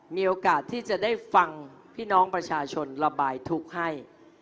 มีโอกาสที่จะได้ฟังพี่น้องประชาชนระบายทุกข์ให้